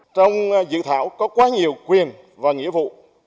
trong dự thảo có quá nhiều quyền và nghĩa vụ